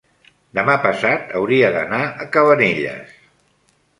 demà passat hauria d'anar a Cabanelles.